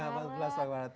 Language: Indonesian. tanggal empat belas maret